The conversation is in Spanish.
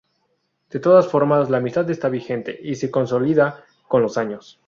De todas formas, la amistad está vigente y se consolida con los años.